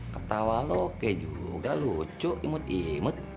ketawa lo oke juga lucu imut imut